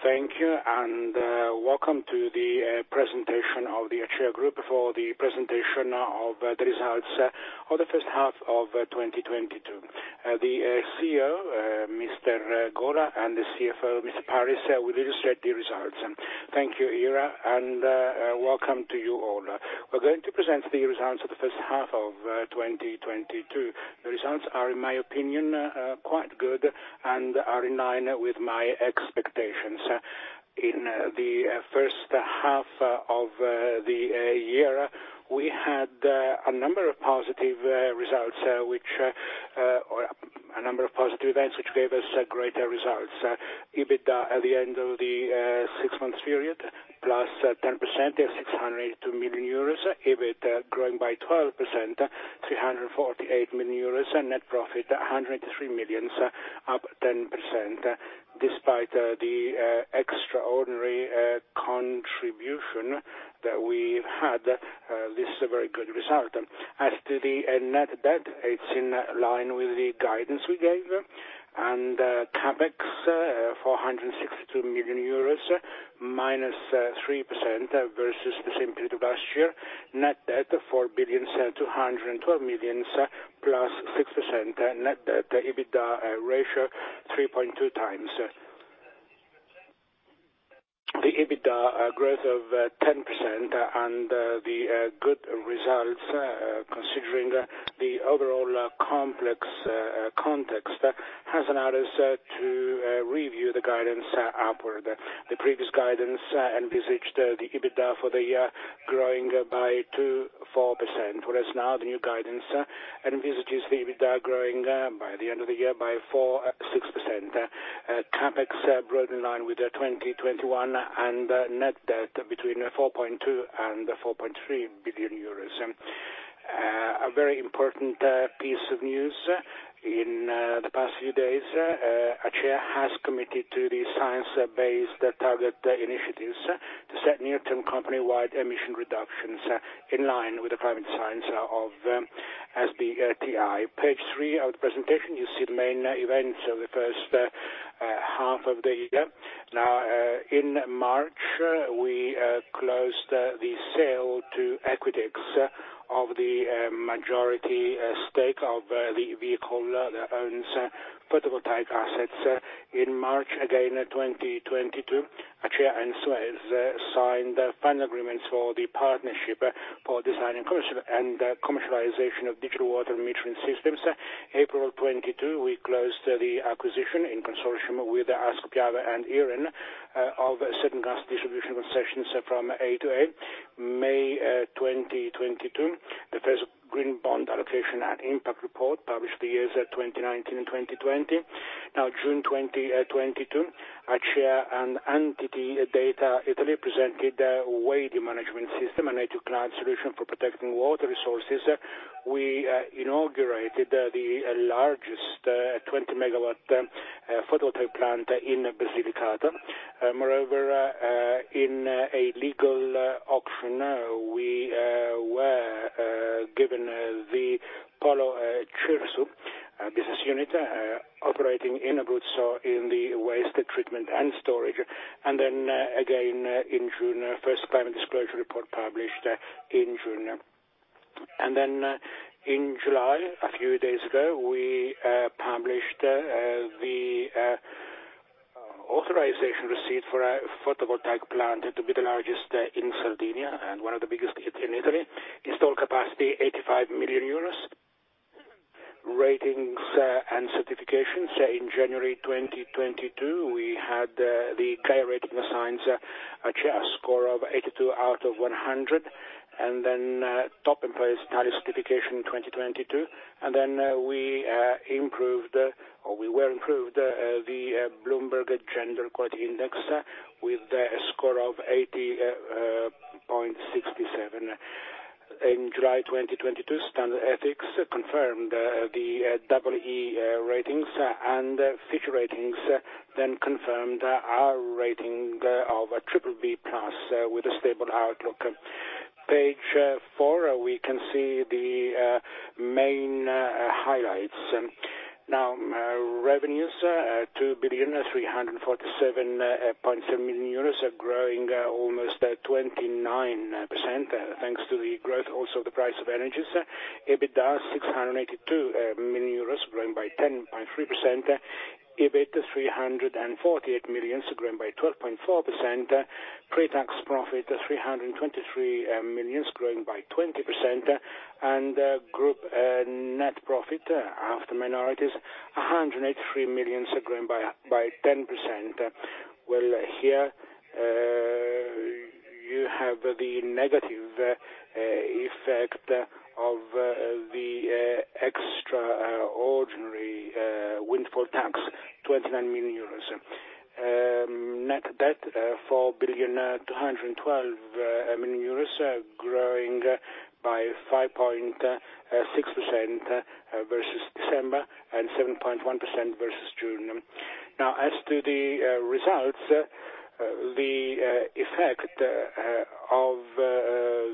Thank you, and welcome to the presentation of the Acea Group for the presentation of the results of the first 1/2 of 2022. The CEO, Mr. Gola, and the CFO, Mr. Paris, will illustrate the results. Thank you, Ira, and welcome to you all. We're going to present the results of the first 1/2 of 2022. The results are, in my opinion, quite good and are in line with my expectations. In the first 1/2 of the year, we had a number of positive events which gave us greater results. EBITDA at the end of the 6 months period, plus 10% of 602 million euros. EBIT growing by 12%, 348 million euros, and net profit, 103 million, up 10%. Despite the extraordinary contribution that we had, this is a very good result. As to the net debt, it's in line with the guidance we gave. CapEx, 462 million euros, -3% versus the same period of last year. Net debt, 4.212 billion, +6%. Net debt to EBITDA ratio, 3.2x. The EBITDA growth of 10% and the good results, considering the overall complex context, has allowed us to review the guidance upward. The previous guidance envisaged the EBITDA for the year growing by 2.4%. Now the new guidance envisages the EBITDA growing by the end of the year by 4%-6%. CapEx growth in line with the 2021 and net debt between 4.2 billion and 4.3 billion euros. A very important piece of news in the past few days, Acea has committed to the Science Based Targets initiative to set near-term company-wide emission reductions in line with the science of SBTi. Page 3 of the presentation, you see the main events of the first 1/2 of the year. Now, in March, we closed the sale to Equitix of the majority stake of the vehicle that owns photovoltaic assets. In March, again, 2022, Acea and SUEZ signed the final agreements for the partnership for design and commercialization of digital water metering systems. April 2022, we closed the acquisition in consortium with Ascopiave and Iren of certain gas distribution concessions from A2A. May 2022, the first green bond allocation and impact report published the years 2019 and 2020. June 2022, Acea and NTT DATA Italia presented the Waidy Management System, a native cloud solution for protecting water resources. We inaugurated the largest 20-MW photovoltaic plant in Basilicata. Moreover, in a legal auction, we were given the Polo Cersu business unit operating in Abruzzo in the waste treatment and storage. Again, in June, first climate disclosure report published in June. In July, a few days ago, we published the authorization receipt for a photovoltaic plant to be the largest in Sardinia, and one of the biggest in Italy. Installed capacity, 85 million euros. Ratings and certifications. In January 2022, we had the Gaia Rating assigned Acea a score of 82 out of 100, and then we improved or we were improved the Bloomberg Gender-Equality Index with a score of 80.67. In July 2022, Standard Ethics confirmed the double E ratings, and Fitch Ratings then confirmed our rating of triple B plus with a stable outlook. Page four, we can see the main highlights. Now, revenues, 2,347.7 million euros, growing almost 29%, thanks to the growth, also the price of energies. EBITDA, 682 million euros, growing by 10.3%. EBIT, 348 million, growing by 12.4%. Pre-Tax profit, 323 million, growing by 20%. Group net profit after minorities, 183 million, growing by 10%. Well, here, you have the negative effect of the extraordinary windfall tax, 29 million euros. Net debt, 4,212 million euros, growing by 5.6% versus December and 7.1% versus June. Now, as to the results, the effect of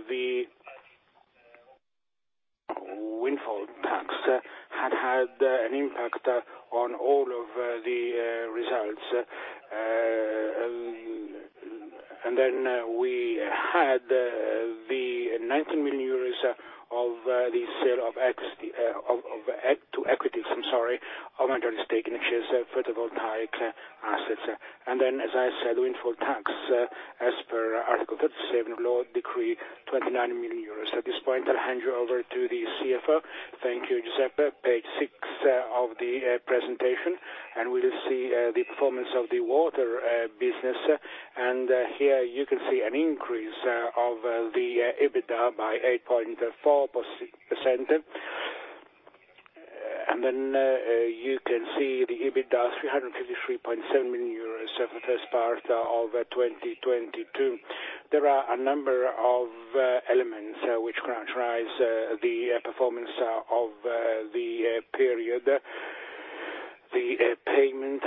the tariff had an impact on all of the results. We had the 19 million euros of the sale of minor stake in shares of photovoltaic assets. As I said, windfall tax as per Article 37 of Law Decree 21/2022, 20 million euros. At this point, I'll hand you over to the CFO. Thank you, Giuseppe. Page 6 of the presentation, and we'll see the performance of the water business. Here, you can see an increase of the EBITDA by 8.4%. You can see the EBITDA 353.7 million euros for the first part of 2022. There are a number of elements which characterize the performance of the period. The payment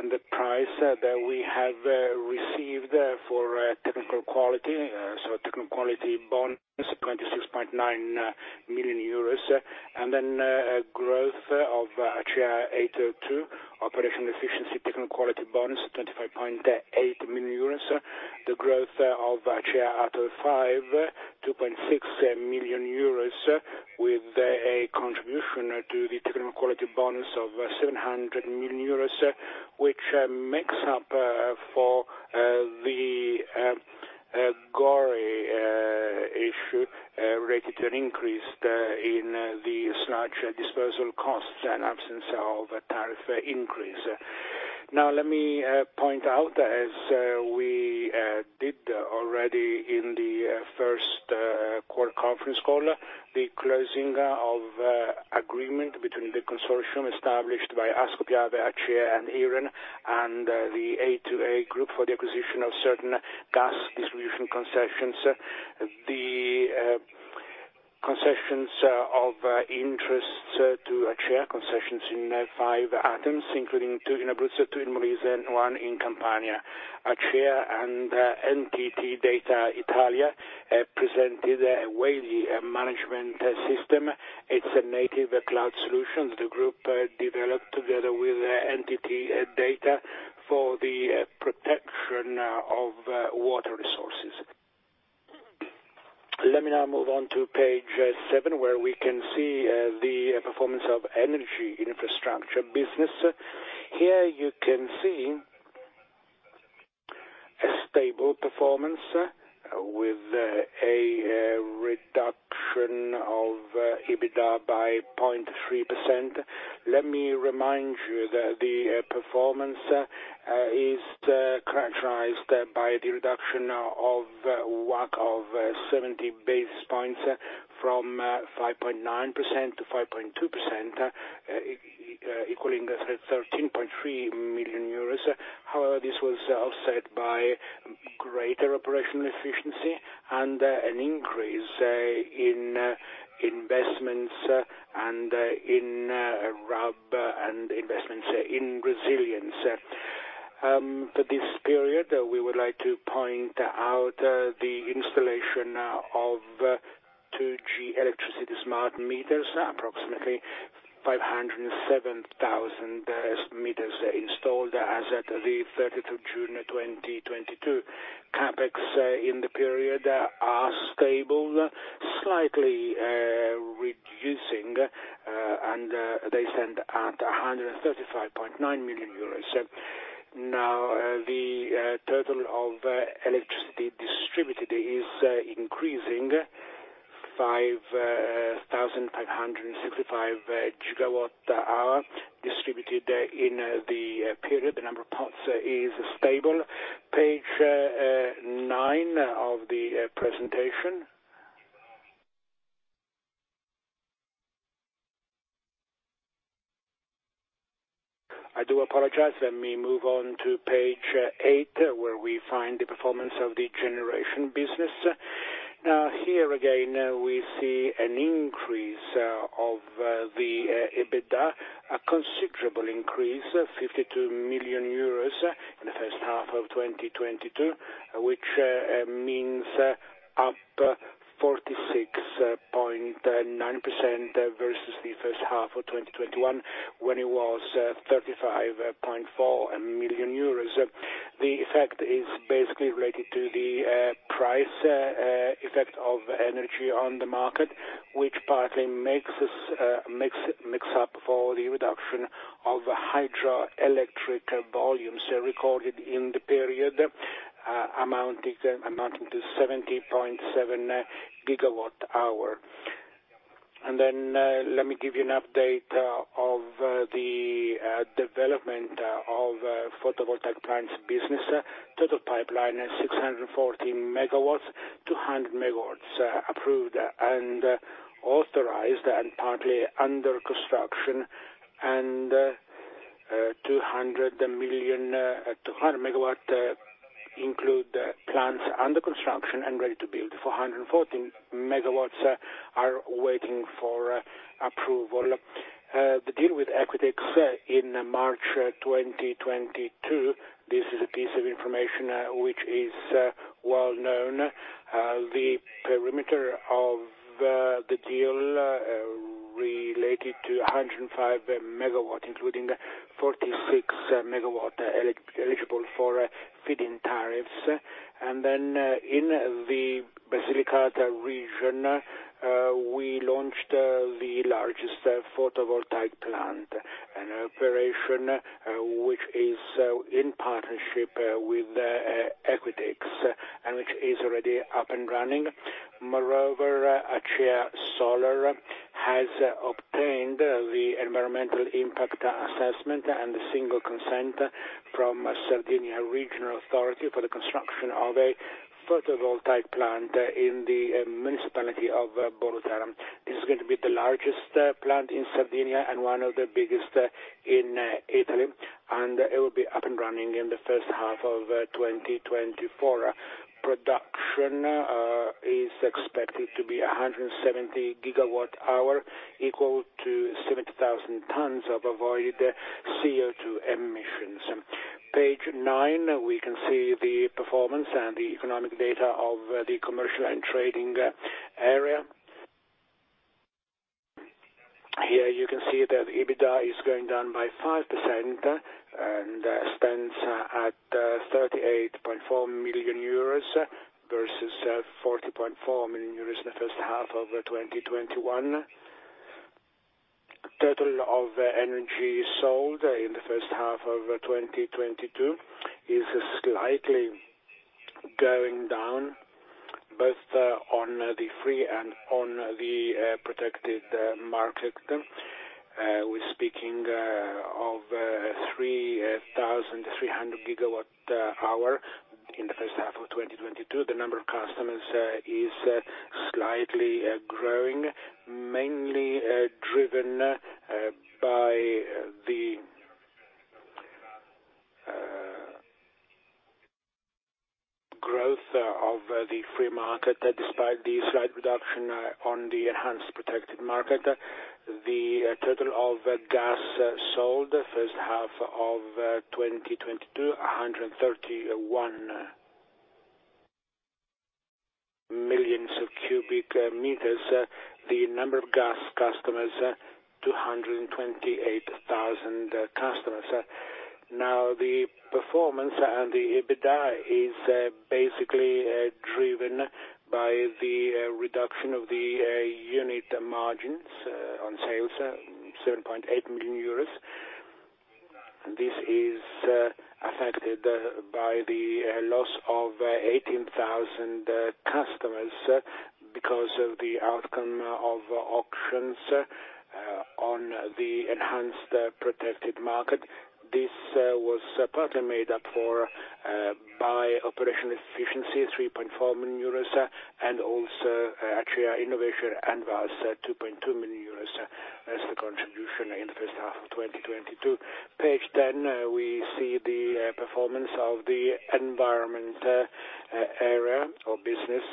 and the price that we have received for technical quality, so technical quality bonus, 26.9 million euros. Growth of Acea Ato 2, operational efficiency, technical quality bonus, 25.8 million euros. The growth of Acea Ato 5, 2.6 million euros with a contribution to the technical quality bonus of 700 million euros, which makes up for the GORI issue related to an increase in the sludge disposal costs and absence of a tariff increase. Now, let me point out, as we did already in the first 1/4 conference call, the closing of agreement between the consortium established by Ascopiave, Acea, and Iren, and the A2A Group for the acquisition of certain gas distribution concessions. The concessions of interest to Acea in 5 items, including 2 in Abruzzo, 2 in Molise, and one in Campania. Acea and NTT DATA Italia presented a Waidy management system. It's a native cloud solution the group developed together with NTT DATA for the protection of water resources. Let me now move on to page 7, where we can see the performance of energy infrastructure business. Here you can see a stable performance with a reduction of EBITDA by 0.3%. Let me remind you that the performance is characterized by the reduction of WACC of 70 basis points from 5.9% to 5.2%, equaling 13.3 million euros. However, this was offset by greater operational efficiency and an increase in investments and in RAB and investments in resilience. For this period, we would like to point out the installation of 2G electricity smart meters, approximately 507,000 meters installed as at the thirtieth of June 2022. CapEx in the period are stable, slightly reducing, and they stand at 135.9 million euros. Now, the total of electricity distributed is increasing 5,565 GWh distributed in the period. The number of pots is stable. Page 9 of the presentation. I do apologize. Let me move on to page 8, where we find the performance of the generation business. Now, here again, we see an increase of the EBITDA, a considerable increase, 52 million euros in the first 1/2 of 2022, which means up 46.9% versus the first 1/2 of 2021 when it was 35.4 million euros. The effect is basically related to the price effect of energy on the market, which partly makes up for the reduction of hydroelectric volumes recorded in the period amounting to 70.7 GWh. Let me give you an update of the development of the photovoltaic plants business. Total pipeline is 614 MW, 200 MW approved and authorized and partly under construction and 200 MW capacity, including the plants under construction and ready to build, 414 MW are waiting for approval. The deal with Equitix in March 2022, this is a piece of information which is well known. The perimeter of the deal related to 105 MW, including 46 MW eligible for feed-in tariffs. In the Basilicata region, we launched the largest photovoltaic plant, an operation which is in partnership with Equitix, and which is already up and running. Moreover, Acea Solar has obtained the environmental impact assessment and the single consent from Autonomous Region of Sardinia for the construction of a photovoltaic plant in the municipality of Bonorva. This is going to be the largest plant in Sardinia and one of the biggest in Italy, and it will be up and running in the first 1/2 of 2024. Production is expected to be 170 GWh, equal to 70,000 tons of avoided CO₂ emissions. Page 9, we can see the performance and the economic data of the commercial and trading area. Here you can see that EBITDA is going down by 5% and stands at 38.4 million euros versus 40.4 million euros in the first 1/2 of 2021. Total of energy sold in the first 1/2 of 2022 is slightly going down, both on the free and on the protected market. We're speaking of 3,300 GWh in the first 1/2 of 2022. The number of customers is slightly growing, mainly driven by the growth of the free market, despite the slight reduction on the enhanced protection market. The total of gas sold first 1/2 of 2022, 131 million cubic meters. The number of gas customers, 228,000 customers. Now, the performance and the EBITDA is basically driven by the reduction of the unit margins on sales, 7.8 million euros. This is affected by the loss of 18,000 customers because of the outcome of auctions on the enhanced protection market. This was partly made up for by operational efficiency, 3.4 million euros, and also Acea Innovation and VAS, 2.2 million euros as the contribution in the first 1/2 of 2022. Page 10, we see the performance of the environment area or business,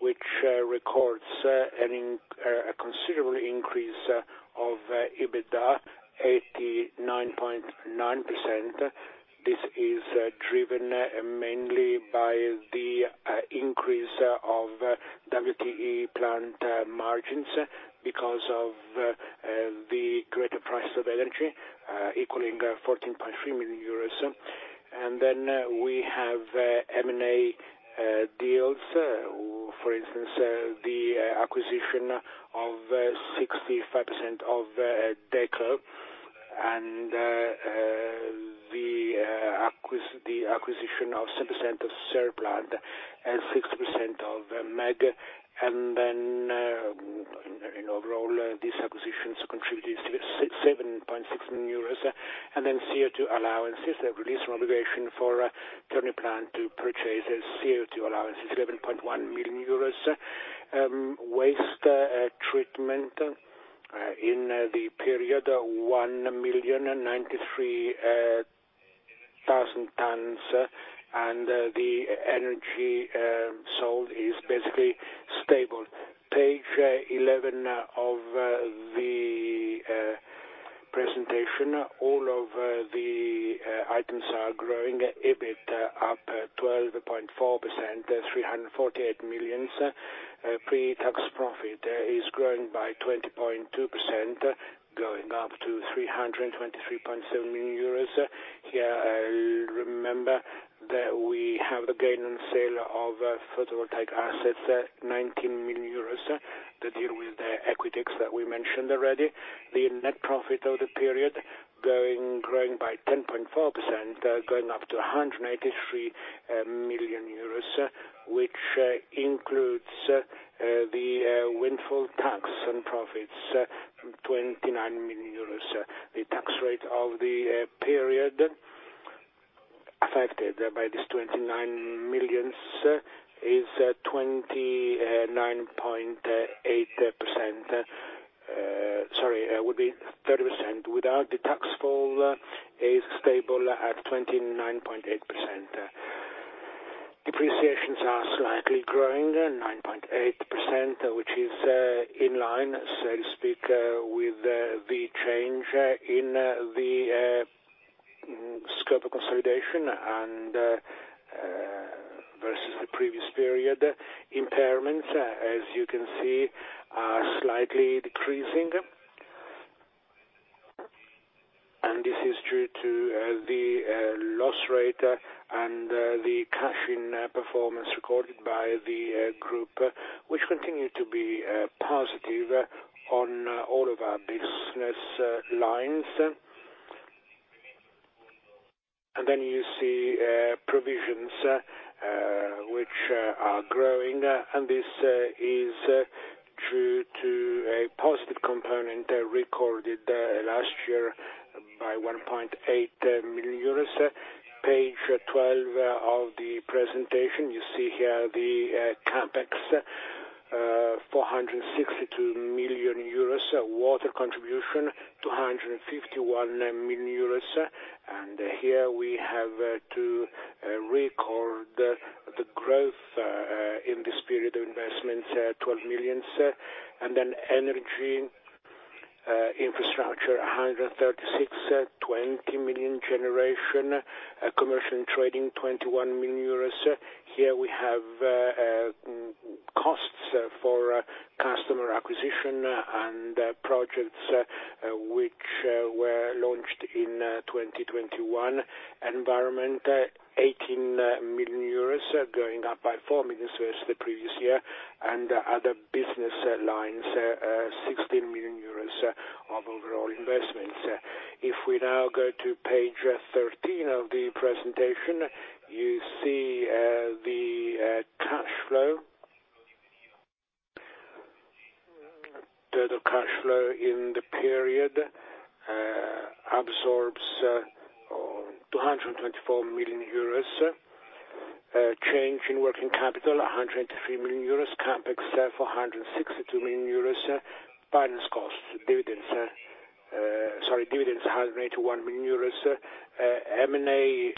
which records a considerable increase of EBITDA, 89.9%. This is driven mainly by the increase of WTE plant margins because of the greater price of energy equaling 14.3 million euros. We have M&A deals. For instance, the acquisition of 65% of Deco and the acquisition of 7% of Serplast and 60% of Meg. In overall, these acquisitions contributed 7.6 million euros. CO₂ allowances, the release obligation for Terni plant to purchase CO₂ allowances, 11.1 million euros. Waste treatment in the period, 1,093,000 tons, and the energy sold is basically stable. Page 11 of the presentation, all of the items are growing. EBIT up 12.4%, 348 million. Pre-Tax profit is growing by 20.2%, going up to 323.7 million euros. Here, remember that we have a gain on sale of photovoltaic assets, 19 million euros. The deal with Equitix that we mentioned already. The net profit of the period growing by 10.4%, going up to 183 million euros, which includes the windfall tax on profits, 29 million euros. The tax rate of the period affected by this twenty-9 million is at 29.8%. Sorry, it would be 30% without the windfall tax is stable at 29.8%. Depreciations are slightly growing 9.8%, which is in line, so to speak, with the change in the scope of consolidation and versus the previous period. Impairments, as you can see, are slightly decreasing. This is due to the loss rate and the cash flow performance recorded by the group, which continued to be positive on all of our business lines. Then you see provisions, which are growing. This is due to a positive component recorded last year by 1.8 million euros. Page 12 of the presentation, you see here the CapEx 462 million euros. Water contribution, 251 million euros. Here we have to record the growth in this period of investment, 12 million. Then energy infrastructure, 136, 20 million generation, commercial and trading, 21 million euros. Here we have costs for customer acquisition and projects which were launched in 2021. Environment, 18 million euros, going up by 4 million the previous year. Other business lines, 16 million euros of overall investments. If we now go to page 13 of the presentation, you see the cash flow. Total cash flow in the period absorbs 224 million euros. Change in working capital, 103 million euros. CapEx, 462 million euros. Finance costs, dividends, 181 million euros. M&A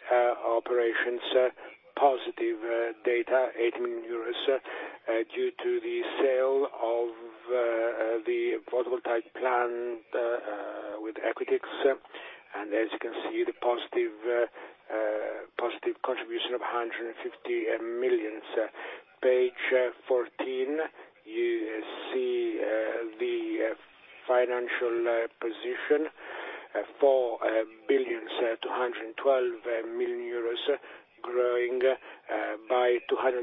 operations, positive data, 8 million euros, due to the sale of the photovoltaic plant with Equitix. As you can see, the positive contribution of 150 million. Page 14, you see, the financial position, 4,212 million euros, growing by 223.7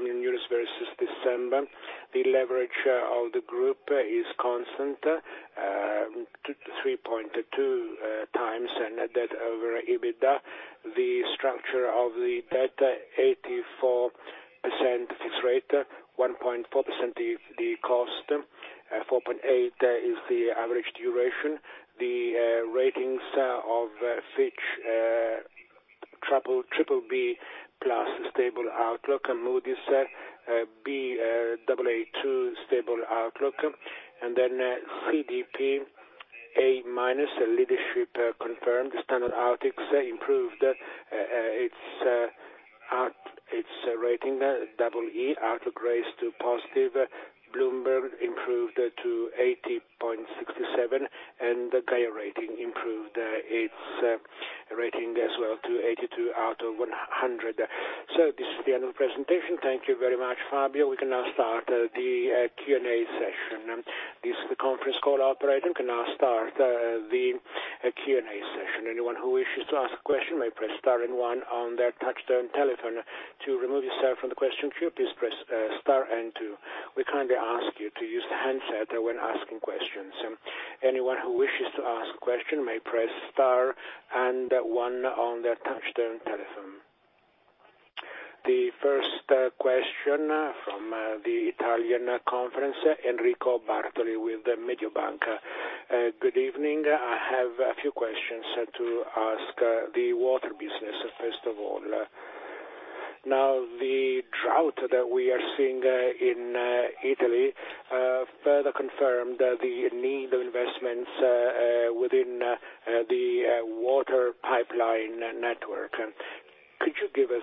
million euros versus December. The leverage of the group is constant, 3.2 times and debt over EBITDA. The structure of the debt, 84% fixed rate, 1.4% the cost, 4.8 is the average duration. The ratings of Fitch, BBB+ stable outlook, and Moody's, BAA2 stable outlook. CDP, A- leadership confirmed. Standard Ethics improved its rating EE, outlook raised to positive. Bloomberg improved to 80.67, and the Gaia Rating improved its rating as well to 82 out of 100. This is the end of presentation. Thank you very much, Fabio. We can now start the Q&A session. This is the conference call operator. We can now start the Q&A session. Anyone who wishes to ask a question may press star and one on their touchtone telephone. To remove yourself from the question queue, please press star and 2. We kindly ask you to use the handset when asking questions. Anyone who wishes to ask a question may press star and one on their touchtone telephone. The first question from the Italian conference, Enrico Bartoli with Mediobanca. Good evening. I have a few questions to ask the water business, first of all. Now, the drought that we are seeing in Italy further confirmed the need of investments within the water pipeline network. Could you give us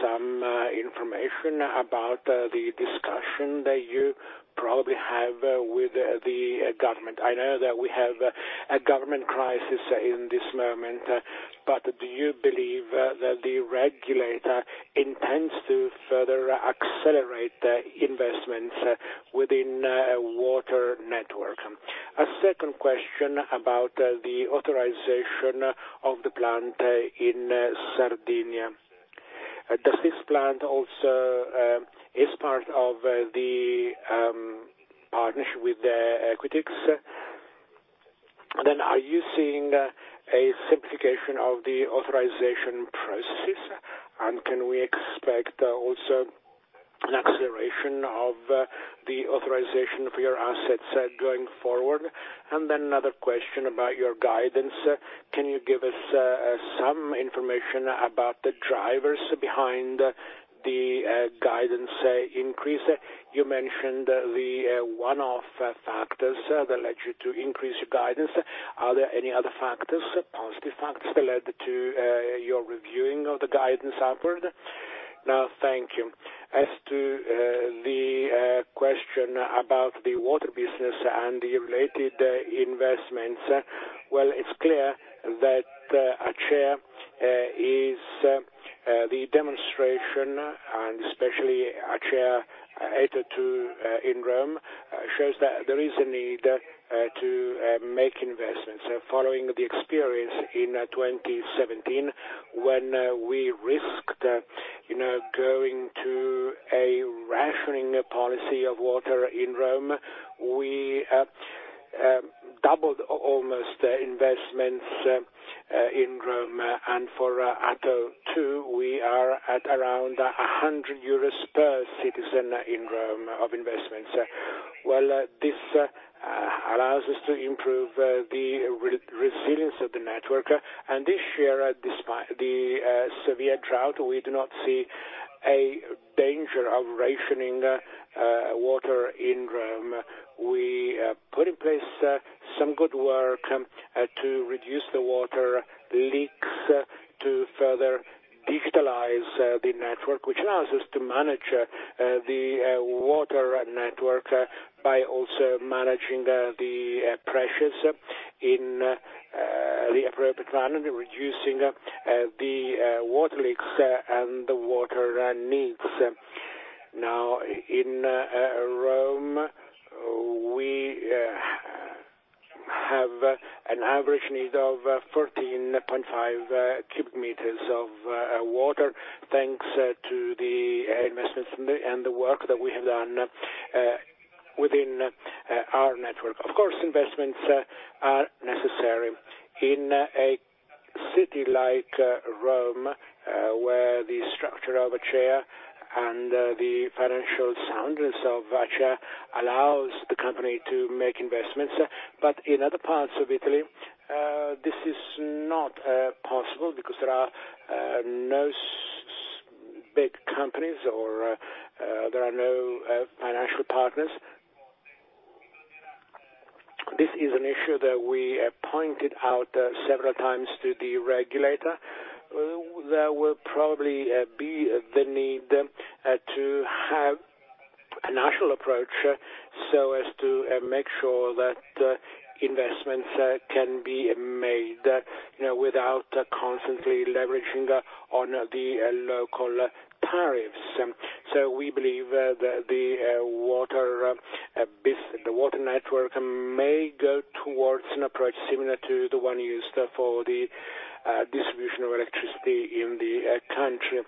some information about the discussion that you probably have with the government? I know that we have a government crisis in this moment, but do you believe that the regulator intends to further accelerate the investments within water network? A second question about the authorization of the plant in Sardinia. Does this plant also is part of the partnership with the Equitix? Are you seeing a simplification of the authorization processes? Can we expect also an acceleration of the authorization for your assets going forward. Another question about your guidance. Can you give us some information about the drivers behind the guidance increase? You mentioned the One-Off factors that led you to increase your guidance. Are there any other factors, positive factors that led to your reviewing of the guidance upward? Now, thank you. As to the question about the water business and the related investments, it's clear that Acea is the demonstration, and especially Acea Ato 2 in Rome shows that there is a need to make investments following the experience in 2017 when we risked, you know, going to a rationing policy of water in Rome. We almost doubled investments in Rome. For Ato 2, we are at around 100 euros per citizen in Rome of investments. This allows us to improve the resilience of the ne2rk. This year, despite the severe drought, we do not see a danger of rationing water in Rome. We put in place some good work to reduce the water leaks to further digitalize the ne2rk, which allows us to manage the water network by also managing the pressures in the appropriate plan and reducing the water leaks and the water needs. Now, in Rome, we have an average need of 14.5 cubic meters of water, thanks to the investments and the work that we have done within our ne2rk. Of course, investments are necessary in a city like Rome, where the structure of Acea and the financial soundness of Acea allows the company to make investments. In other parts of Italy, this is not possible because there are no big companies or there are no financial partners. This is an issue that we have pointed out several times to the regulator. There will probably be the need to have a national approach so as to make sure that investments can be made, you know, without constantly leveraging on the local tariffs. We believe the water network may go towards an approach similar to the one used for the distribution of electricity in the country.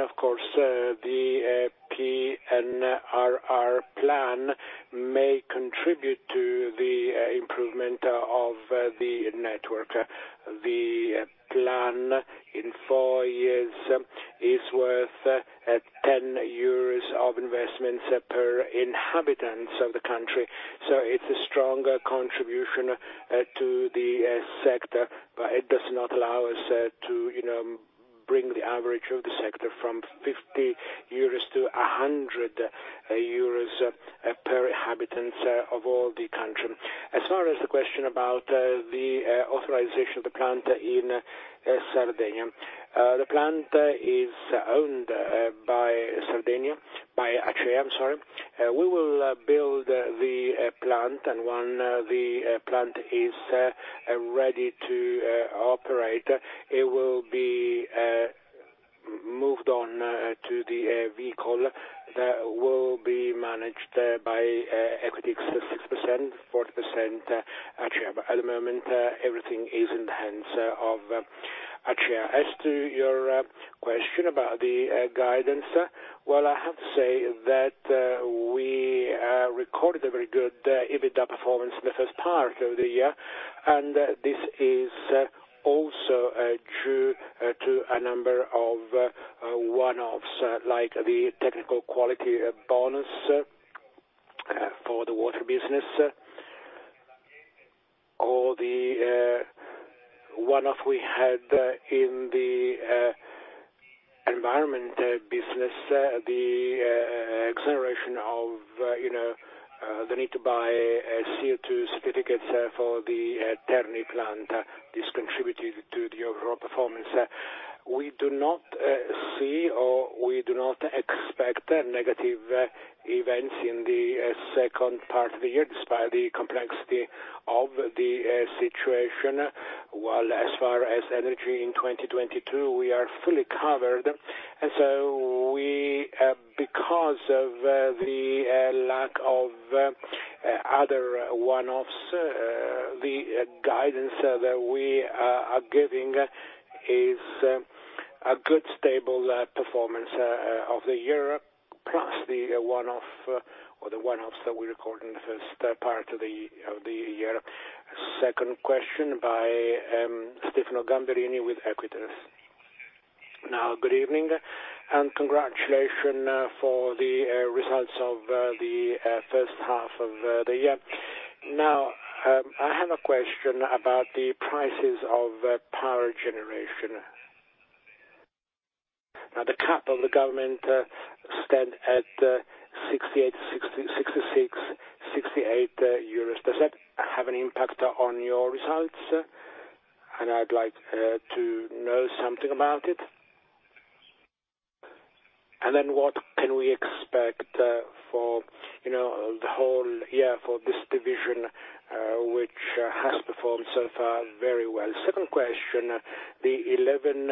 Of course, the PNRR plan may contribute to the improvement of the ne2rk. The plan in 4 years is worth 10 euros of investments per inhabitant of the country. It's a strong contribution to the sector, but it does not allow us, you know, to bring the average of the sector from 50 euros to 100 euros per inhabitant of all the country. As far as the question about the authorization of the plant in Sardinia. The plant is owned by Sardinia. Actually, I'm sorry. We will build the plant, and when the plant is ready to operate, it will be moved on to the vehicle that will be managed by Equitix 6%, 40% Acea. At the moment, everything is in the hands of Acea. As to your question about the guidance, well, I have to say that we recorded a very good EBITDA performance in the first part of the year, and this is also due to a number of One-Offs, like the technical quality bonus for the water business or the One-Off we had in the environment business, the acceleration of, you know, the need to buy CO2 certificates for the Terni plant. This contributed to the overall performance. We do not see or we do not expect negative events in the second part of the year, despite the complexity of the situation. Well, as far as energy in 2022, we are fully covered. Because of the lack of other One-Offs, the guidance that we are giving is a good stable performance of the year. A One-Off, or the One-Offs that we record in the first part of the year. Second question by Stefano Gamberini with Equita. Now, good evening, and congratulation for the results of the first 1/2 of the year. Now, I have a question about the prices of power generation. Now, the cap of the government stand at 68, 66, 68 EUR. Does that have an impact on your results? I'd like to know something about it. What can we expect for you know the whole year for this division which has performed so far very well? Second question, the 11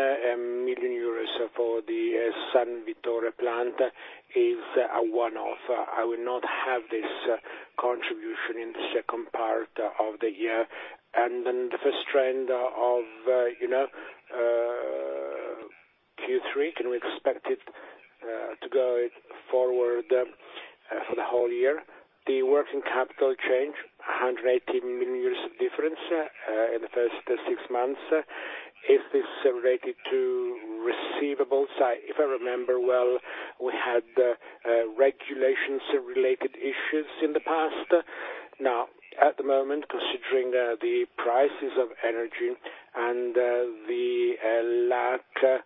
million euros for the San Vittore del Lazio plant is a One-Off. I will not have this contribution in the second part of the year. The first trend of you know Q3, can we expect it to go forward for the whole year? The working capital change, 180 million euros difference, in the first 6 months. Is this related to receivables? If I remember well, we had regulations related issues in the past. Now, at the moment, considering the prices of energy and the lack of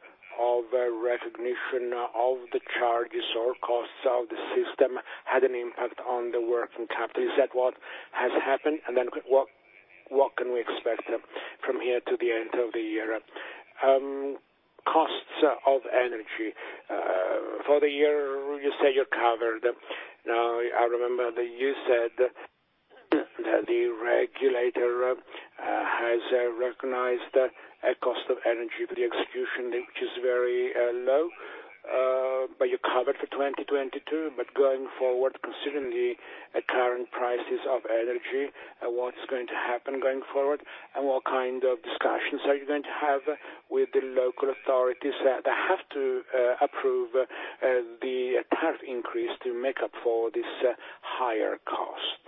recognition of the charges or costs of the system had an impact on the working capital. Is that what has happened? What can we expect from here to the end of the year? Costs of energy for the year, you say you're covered. Now, I remember that you said that the regulator has recognized a cost of energy for the execution, which is very low, but you're covered for 2022. Going forward, considering the current prices of energy, what's going to happen going forward? What kind of discussions are you going to have with the local authorities that have to approve the tariff increase to make up for these higher costs?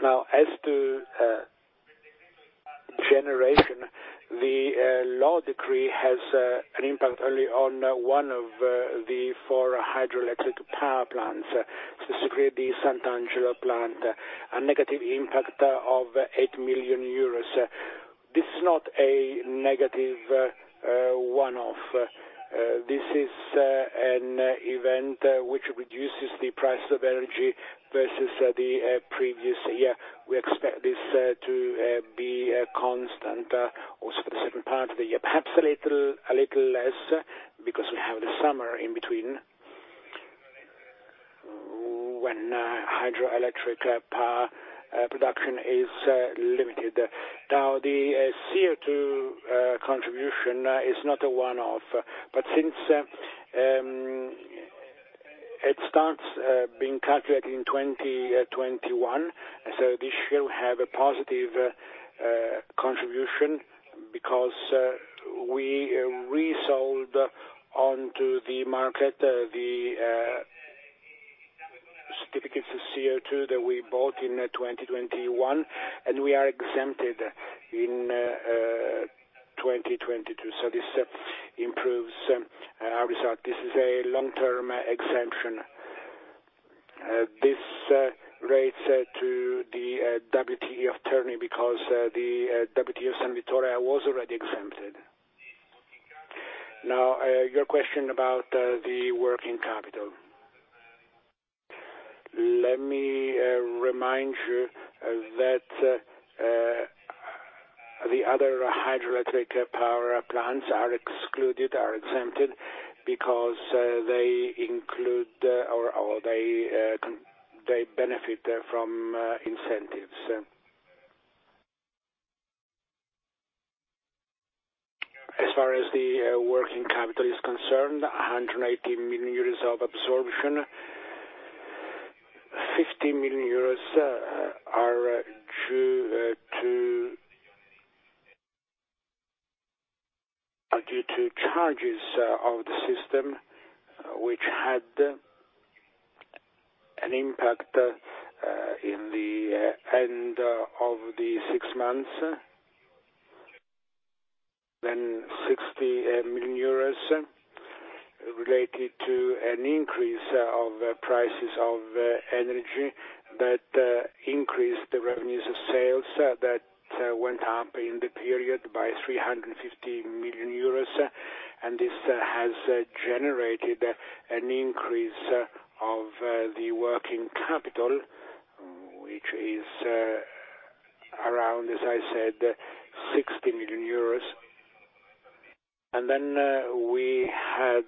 Now, as to generation, the Law Decree has an impact only on one of the four hydroelectric power plants, specifically the Salto-Sant'Angelo plant, a negative impact of 8 million euros. This is not a negative One-Off. This is an event which reduces the price of energy versus the previous year. We expect this to be a constant also for the second part of the year. Perhaps a little less, because we have the summer in between, when hydroelectric power production is limited. Now, the CO2 contribution is not a One-Off. Since it starts being calculated in 2021, this should have a positive contribution because we resold onto the market the certificates of CO2 that we bought in 2021, and we are exempted in 2022. This improves our result. This is a Long-Term exemption. This relates to the WTE of Terni because the WTE of San Vittore was already exempted. Now your question about the working capital. Let me remind you that the other hydroelectric power plants are exempted because they benefit from incentives. As far as the working capital is concerned, 180 million euros of absorption, 50 million euros are due to... are due to charges of the system, which had an impact in the end of the 6 months, then 60 million euros related to an increase of prices of energy that increased the revenues of sales that went up in the period by 350 million euros. This has generated an increase of the working capital, which is around, as I said, 60 million euros. Then we had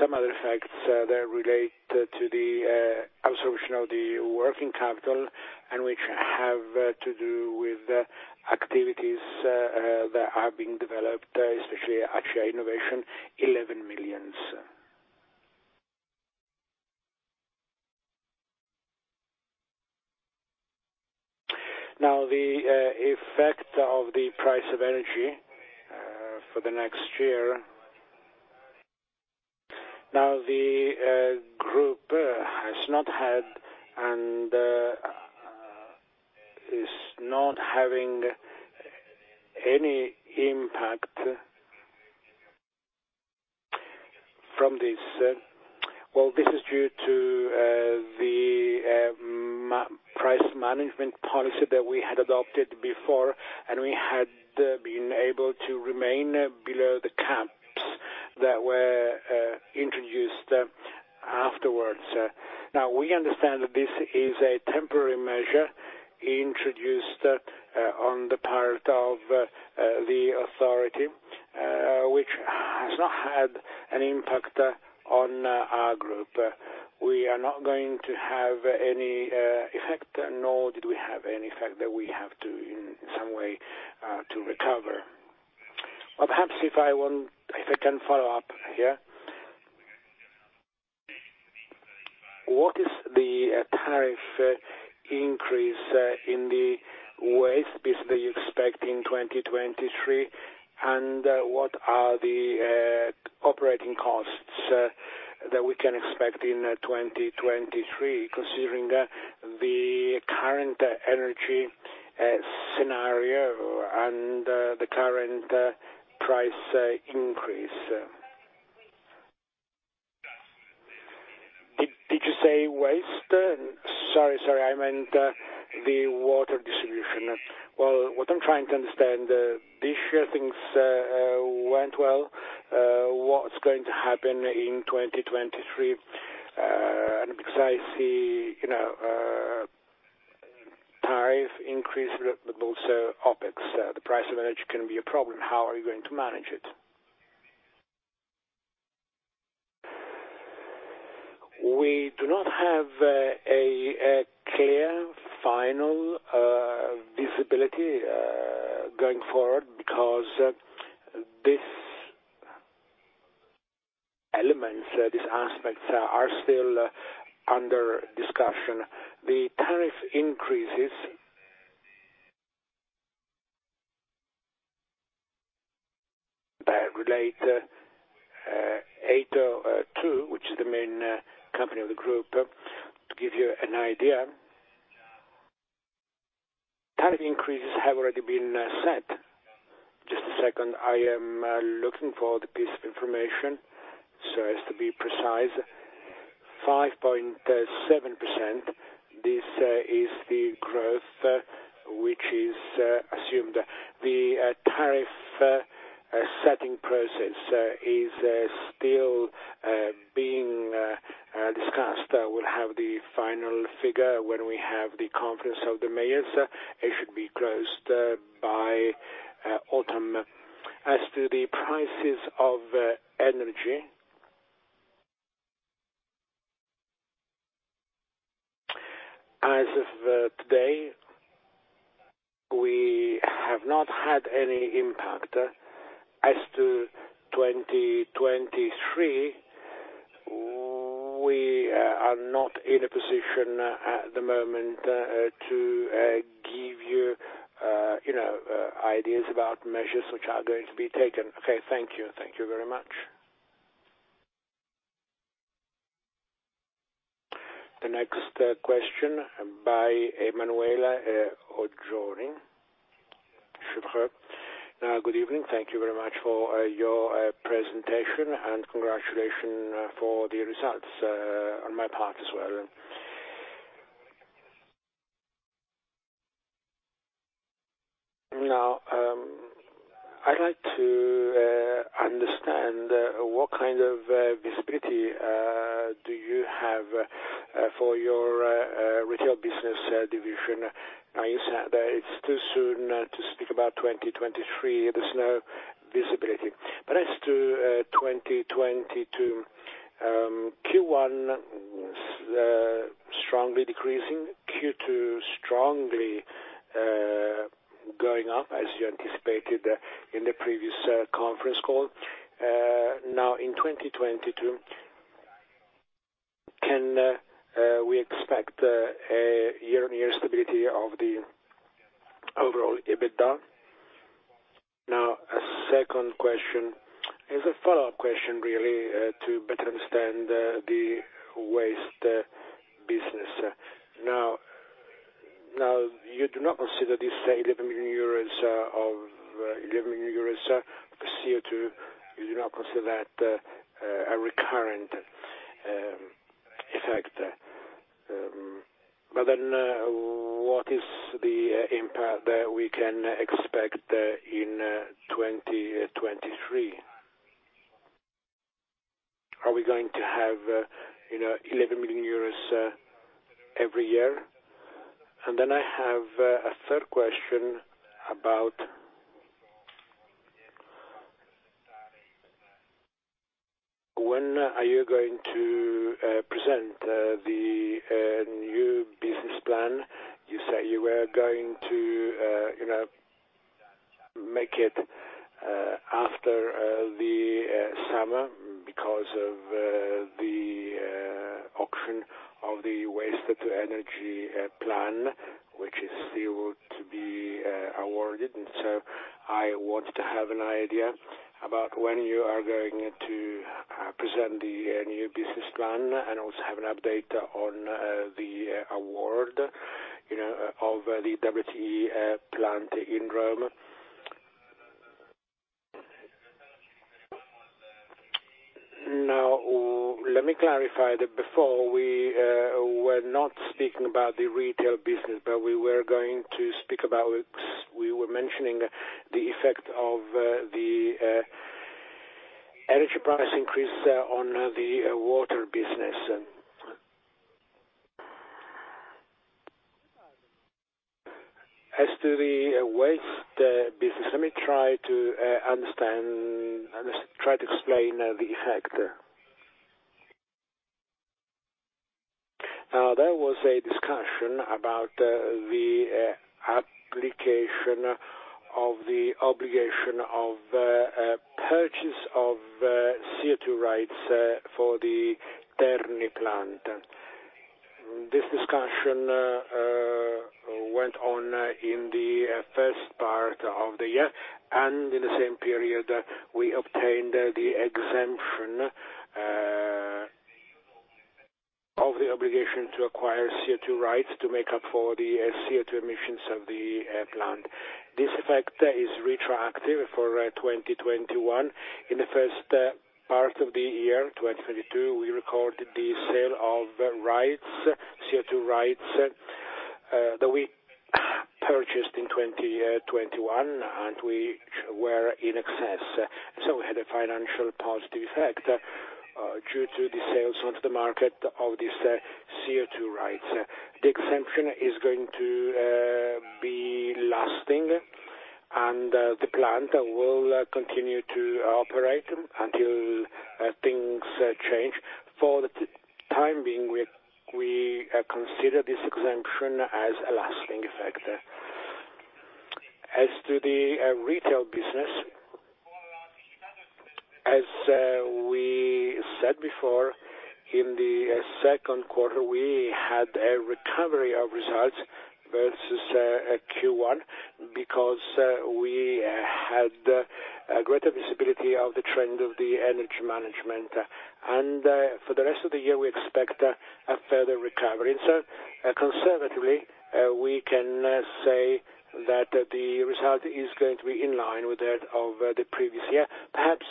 some other effects that relate to the absorption of the working capital, and which have to do with activities that are being developed especially at Acea Innovation, EUR 11 million. Now the effect of the price of energy for the next year. Now the group has not had and is not having any impact from this. Well, this is due to the price management policy that we had adopted before, and we had been able to remain below the caps that were introduced afterwards. Now, we understand that this is a temporary measure introduced on the part of the authority which has not had an impact on our group. We are not going to have any effect, nor did we have any effect that we have to, in some way, to recover. Well, perhaps if I can follow up here. What is the tariff increase in the waste business you expect in 2023? What are the operating costs that we can expect in 2023, considering the current energy scenario and the current price increase? Did you say waste? Sorry. I meant the water distribution. Well, what I'm trying to understand, this year things went well. What's going to happen in 2023? Because I see, you know, tariff increase, but also OpEx, the price of energy can be a problem. How are you going to manage it? We do not have a clear final visibility going forward because these elements, these aspects are still under discussion. The tariff increases relate to Acea Ato 2, which is the main company of the group. To give you an idea, tariff increases have already been set. Just a second. I am looking for the piece of information so as to be precise. 5.7%, this is the growth which is assumed. The tariff setting process is still being discussed. We'll have the final figure when we have the confidence of the mayors. It should be closed by autumn. As to the prices of energy, as of today, we have not had any impact. As to 2023, we are not in a position at the moment to give you know, ideas about measures which are going to be taken. Okay, thank you. Thank you very much. The next question by Emanuele Oggioni. Sure. Now, good evening. Thank you very much for your presentation, and congratulations for the results on my part as well. I'd like to understand what kind of visibility do you have for your retail business division. Now you said that it's too soon to speak about 2023. There's no visibility. As to 2022, Q1 strongly decreasing, Q2 strongly going up as you anticipated in the previous conference call. Now in 2022, can we expect a year-on-year stability of the overall EBITDA? Now, a second question is a Follow-up question really to better understand the waste business. Now you do not consider this 11 million euros of CO2 a recurrent effect. But then what is the impact that we can expect in 2023? Are we going to have, you know, 11 million euros every year? I have a 1/3 question about when are you going to present the new business plan? You said you were going to, you know, make it after the summer because of auction of the waste-to-energy plant, which is still to be awarded. I want to have an idea about when you are going to present the new business plan, and also have an update on the award, you know, of the WTE plant in Rome. No, let me clarify that. Before, we were not speaking about the retail business, but we were going to speak about the effect of the energy price increase on the water business. As to the waste business, let me try to explain the effect. There was a discussion about the application of the obligation of a purchase of CO2 rights for the Terni plant. This discussion went on in the first part of the year, and in the same period, we obtained the exemption of the obligation to acquire CO2 rights to make up for the CO2 emissions of the plant. This effect is retroactive for 2021. In the first part of the year, 2022, we recorded the sale of rights, CO2 rights, that we purchased in 2021, and we were in excess. We had a financial positive effect due to the sales onto the market of this CO2 rights. The exemption is going to be lasting, and the plant will continue to operate until things change. For the time being, we consider this exemption as a lasting effect. As to the retail business, as we said before, in the second 1/4, we had a recovery of results versus Q1 because we had a greater visibility of the trend of the energy management. For the rest of the year, we expect a further recovery. Conservatively, we can say that the result is going to be in line with that of the previous year, perhaps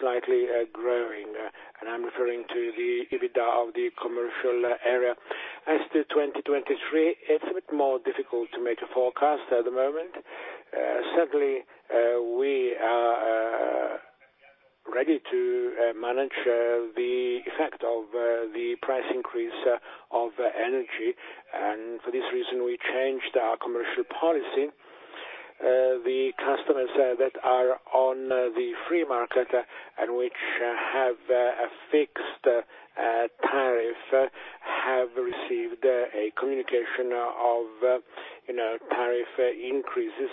slightly growing, and I'm referring to the EBITDA of the commercial area. As to 2023, it's a bit more difficult to make a forecast at the moment. Certainly, we are ready to manage the effect of the price increase of energy. For this reason, we changed our commercial policy. The customers that are on the free market, and which have a fixed tariff, have received a communication of, you know, tariff increases.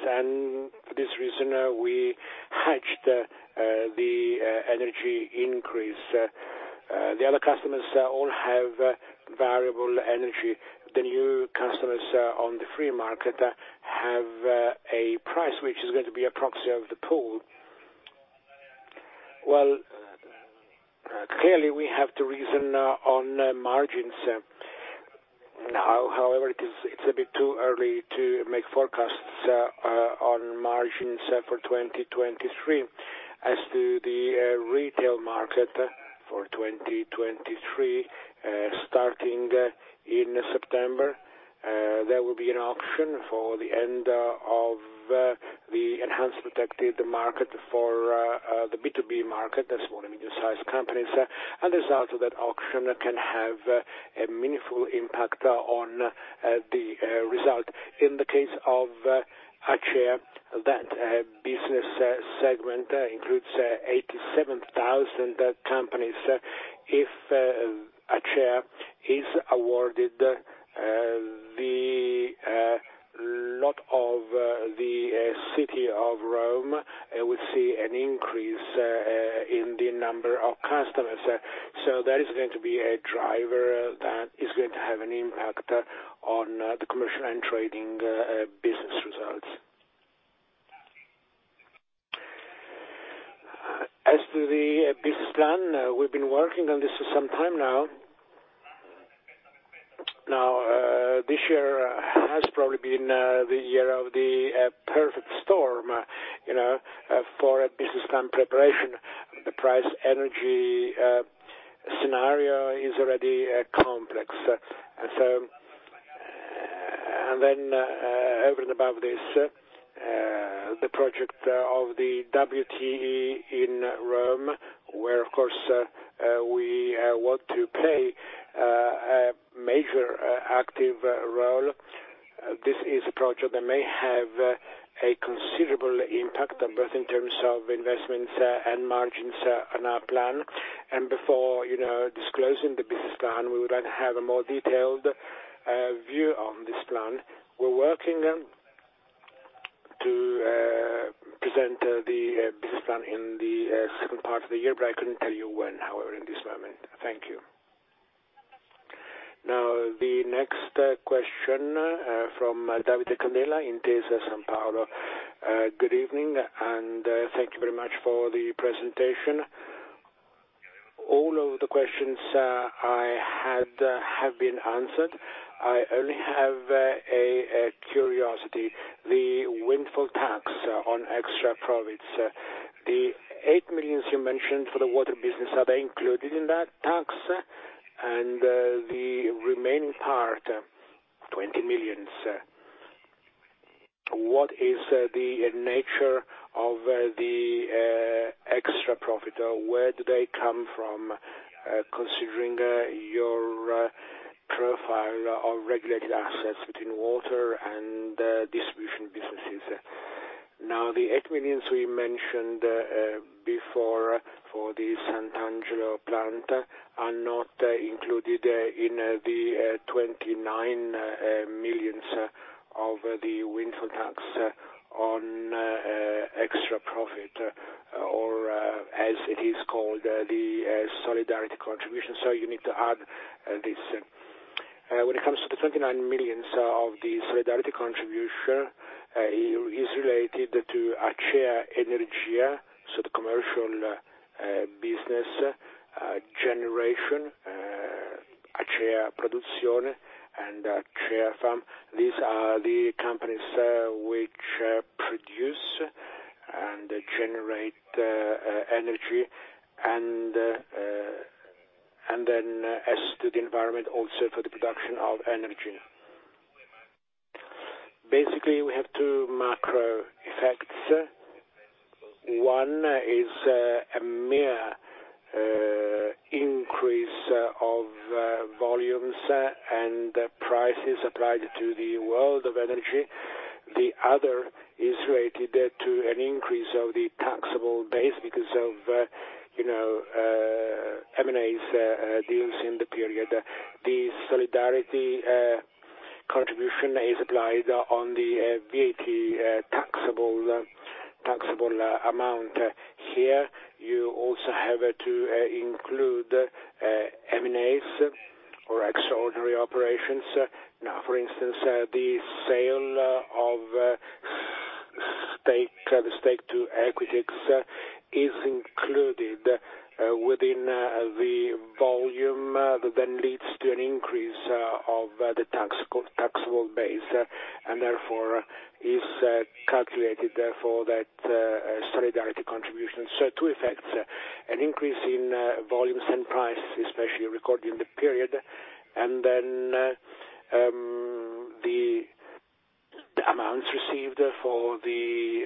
For this reason, we hedged the energy increase. The other customers all have variable energy. The new customers on the free market have a price which is going to be a proxy of the pool. Well, clearly, we have to reason on margins. Now, however, it's a bit too early to make forecasts on margins for 2023. As to the retail market for 2023, starting in September, there will be an auction for the end of the enhanced protection market for the B2B market, the small and medium-sized companies. A result of that auction can have a meaningful impact on the result. In the case of Acea, that business segment includes 87,000 companies. If Acea is awarded the lot of the city of Rome, it will see an increase in the number of customers. That is going to be a driver that is going to have an impact on the commercial and trading business results. As to the business plan, we've been working on this for some time now. Now, this year has probably been the year of the perfect storm, you know, for a business plan preparation. The energy price scenario is already complex. Over and above this, the project of the WTE in Rome, where of course we want to play a major active role. This is a project that may have a considerable impact both in terms of investments and margins on our plan. Before, you know, disclosing the business plan, we would like to have a more detailed view on this plan. We're working on presenting the business plan in the second part of the year, but I couldn't tell you when, however, at this moment. Thank you. Now, the next question from Davide Candela, Intesa Sanpaolo. Good evening, and thank you very much for the presentation. All of the questions I had have been answered. I only have a curiosity. The windfall tax on extra profits, the 8 million you mentioned for the water business, are they included in that tax? The remaining part, 20 million, what is the nature of the extra profit? Where do they come from, considering your profile of regulated assets between water and distribution businesses? Now, the 8 million we mentioned before for theSalto-Sant'Angelo plant are not included in the 29 million of the windfall tax on extra profit or, as it is called, the solidarity contribution. You need to add this. When it comes to the 29 million of the solidarity contribution, is related to Acea Energia, so the commercial business generation Acea Produzione, and Acea Ambiente. These are the companies which produce and generate energy and then as to the environment also for the production of energy. Basically, we have 2 macro effects. One is a mere increase of volumes and prices applied to the world of energy. The other is related to an increase of the taxable base because of, you know, M&As deals in the period. The solidarity contribution is applied on the VAT taxable amount. Here, you also have to include M&As or extraordinary operations. Now, for instance, the sale of the stake to Equitix is included within the volume that then leads to an increase of the taxable base, and therefore is calculated that solidarity contribution. Two effects, an increase in volumes and price, especially recorded in the period, and then the amounts received for the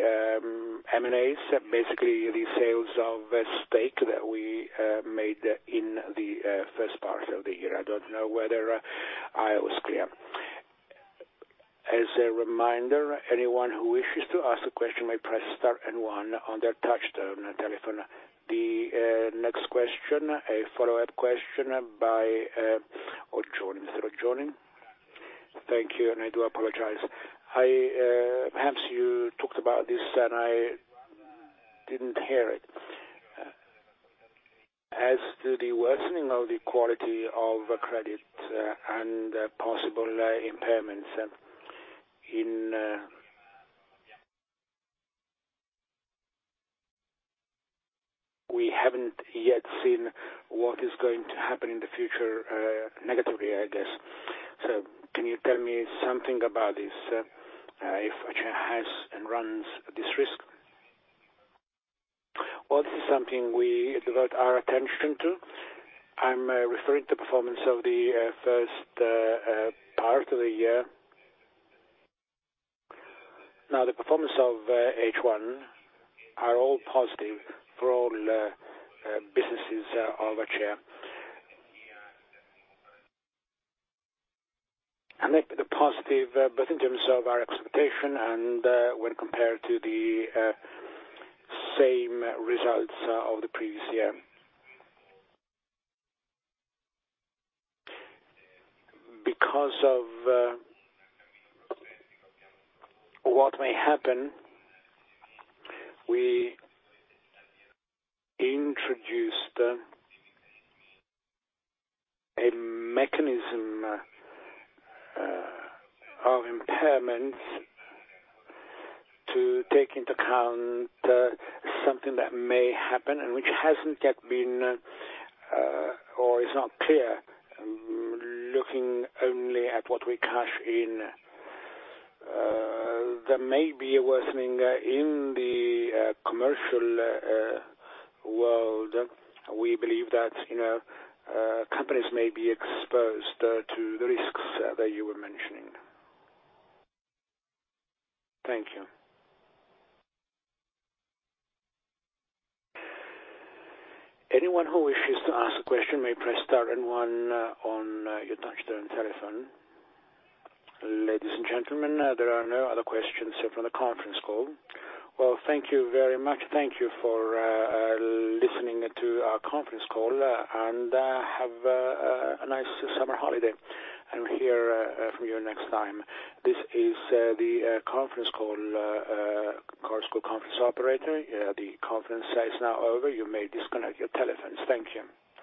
M&As, basically the sales of a stake that we made in the first part of the year. I don't know whether I was clear. As a reminder, anyone who wishes to ask a question may press star and one on their touchtone telephone. The next question, a Follow-up question by Oggioni. Mr. Oggioni? Thank you, and I do apologize. I perhaps you talked about this, and I didn't hear it. As to the worsening of the quality of credit, and possible impairments. We haven't yet seen what is going to happen in the future, negatively, I guess. Can you tell me something about this, if Acea has and runs this risk? Well, this is something we devote our attention to. I'm referring to performance of the first part of the year. Now, the performance of H1 are all positive for all businesses of Acea. They've been positive, both in terms of our expectation and, when compared to the same results of the previous year. Because of what may happen, we introduced a mechanism of impairment to take into account something that may happen and which hasn't yet been or is not clear looking only at what we cash in. There may be a worsening in the commercial world. We believe that, you know, companies may be exposed to the risks that you were mentioning. Thank you. Anyone who wishes to ask a question may press star and one on your touchtone telephone. Ladies and gentlemen, there are no other questions from the conference call. Well, thank you very much. Thank you for listening to our conference call and have a nice summer holiday, and hear from you next time. This is the conference call operator. The conference is now over. You may disconnect your telephones. Thank you.